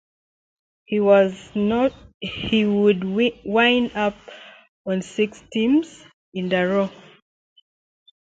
He would wind up on six teams in a row.